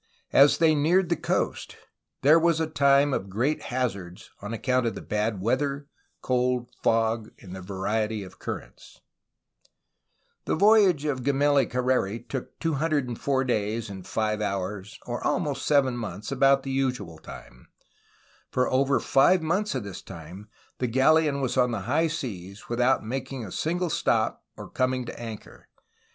As they neared the coast there was a time of great hazards on account of the bad weather, cold, fog, and the variety of currents. 92 A HISTORY OF CALIFORNIA The voyage of Gemelli Careri took 204 days and 5 hours, or almost seven months, — about the usual time. For over five months of this time the galleon was on the high seas, without making a single stop or coming to anchor.